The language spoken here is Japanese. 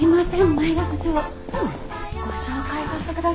前田部長ご紹介させて下さい。